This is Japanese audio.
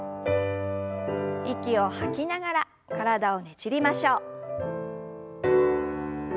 息を吐きながら体をねじりましょう。